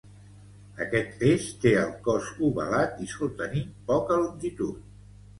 Aquest peix té el cos ovalat i sol tenir poca longitud